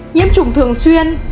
nhiễm trùng thường xuyên